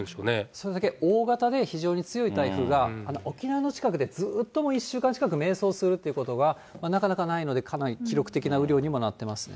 それだけ大型で非常に強い台風が、沖縄の近くでずっと１週間近く迷走するっていうことは、なかなかないので、かなり記録的な雨量にもなってますね。